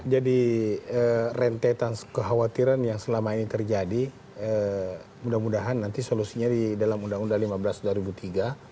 jadi rentetan kekhawatiran yang selama ini terjadi mudah mudahan nanti solusinya di dalam undang undang lima belas dua ribu tiga